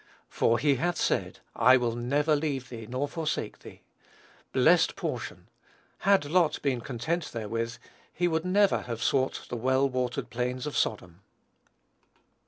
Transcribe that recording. "For he hath said, I will never leave thee nor forsake thee." Blessed portion! Had Lot been content therewith, he never would have sought the well watered plains of Sodom.